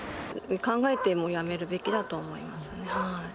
考えてもう辞めるべきだと思います。